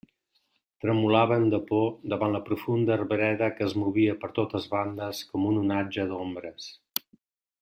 Tremolaven de por davant la profunda arbreda que es movia per totes bandes com un onatge d'ombres.